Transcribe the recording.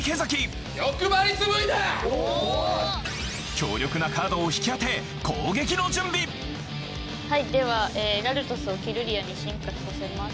強力なカードを引き当てはいではラルトスをキルリアに進化させます。